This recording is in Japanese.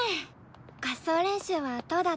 合奏練習はどうだった？